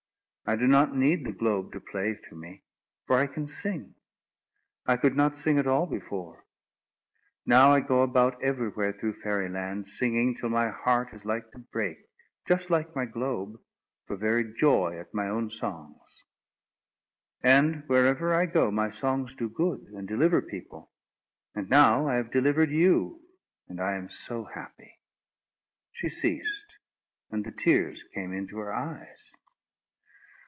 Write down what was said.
I do not need the globe to play to me; for I can sing. I could not sing at all before. Now I go about everywhere through Fairy Land, singing till my heart is like to break, just like my globe, for very joy at my own songs. And wherever I go, my songs do good, and deliver people. And now I have delivered you, and I am so happy." She ceased, and the tears came into her eyes.